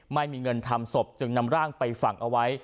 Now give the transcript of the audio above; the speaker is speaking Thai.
ไม่มีเงินทำศพจึงนำร่างไปฝังเอาไว้